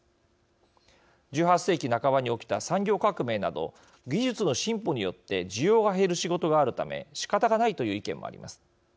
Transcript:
１８世紀半ばに起きた産業革命など技術の進歩によって需要が減る仕事があるため仕方がないという意見もあります。